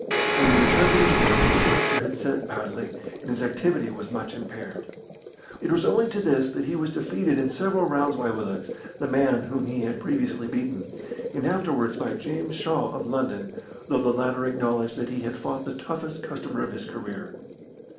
When he returned to his work the fracture had set badly, and his activity was much impaired. It was owing to this that he was defeated in seven rounds by Willox, the man whom he had previously beaten, and afterwards by James Shaw, of London, though the latter acknowledged that he had found the toughest customer of his career.